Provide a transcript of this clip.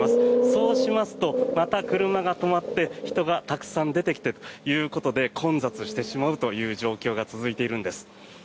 そうしますと、また車が止まって人がたくさん出てきてということで混雑してしまうという状況が続いているんです。